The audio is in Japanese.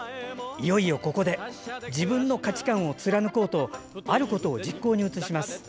いよいよ、ここで自分の価値観を貫こうとあることを実行に移します。